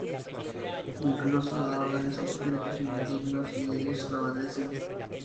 Incluso da órdenes a espíritus malignos y ellos le obedecen.